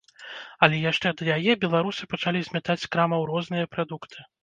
Але яшчэ да яе беларусы пачалі змятаць з крамаў розныя прадукты.